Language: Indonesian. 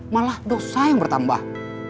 malah dosa yang bertambah